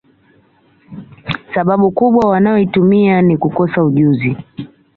Sababu kubwa wanayoitumia ni kukosa ujuzi